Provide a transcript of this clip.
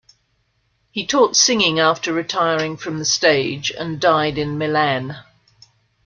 He taught singing after retiring from the stage and died in Milan.